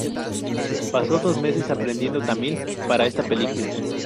Pasó dos meses aprendiendo Tamil para esta película.